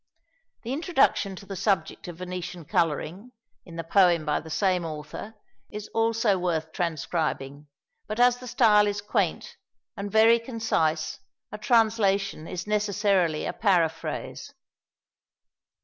The introduction to the subject of Venetian colouring, in the poem by the same author, is also worth transcribing, but as the style is quaint and very concise, a translation is necessarily a paraphrase.